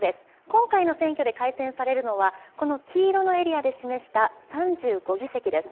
今回の選挙で改選されるのはこの黄色のエリアで示した３５議席です。